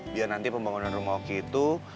biar nanti pembangunan rumah oki itu